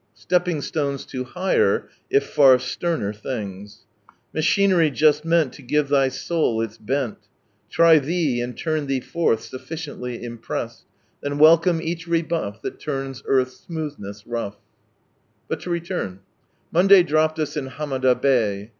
Stepping stones to higher, if far sterner things —" Machinery jusl meant to give thy soul its bent ; Try thee, and turn thee foflli, sufBcientty impressed. Then welcome eacli rebuff liiat turns earth's smoothness rough 1 "| But to return — Monday dropped us in Hamada Bay.